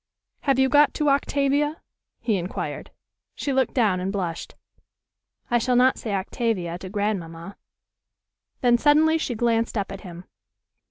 "Have you got to 'Octavia'?" he inquired. She looked down and blushed. "I shall not say 'Octavia' to grandmamma." Then suddenly she glanced up at him.